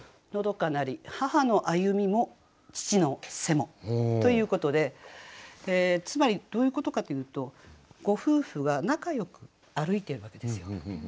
「長閑なり母の歩みも父の背も」ということでつまりどういうことかというとご夫婦は仲良く歩いてるわけですよ。